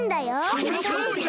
そのとおりだ！